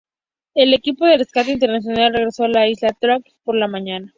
El equipo de Rescate Internacional regreso a la Isla Tracy por la mañana.